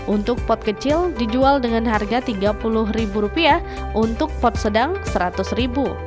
untuk pot kecil dijual dengan harga rp tiga puluh untuk pot sedang rp seratus